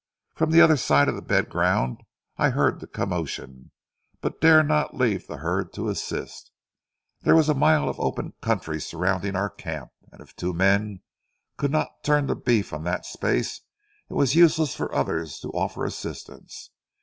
From the other side of the bed ground, I heard the commotion, but dare not leave the herd to assist. There was a mile of open country surrounding our camp, and if two men could not turn the beef on that space, it was useless for others to offer assistance.